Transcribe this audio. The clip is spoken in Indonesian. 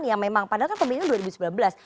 yang memang padahal pemilihnya dua ribu sembilan belas